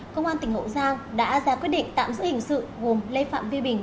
công an tỉnh hậu giang đã ra quyết định tạm giữ hình sự gồm lê phạm vi bình